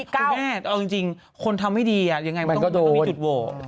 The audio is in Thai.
คุณแม่จริงคนทำไม่ดียังไงมันต้องมีจุดโวทิศ